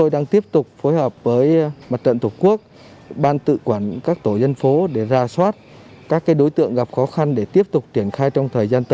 đặc biệt khó khăn